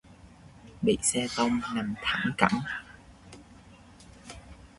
Bị xe tông, nằm thẳng cẳng